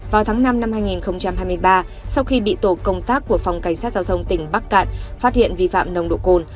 vào tháng năm năm hai nghìn hai mươi ba sau khi bị tổ công tác của phòng cảnh sát giao thông tỉnh bắc cạn phát hiện vi phạm nồng độ cồn